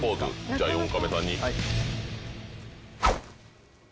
じゃあ４カメさんに。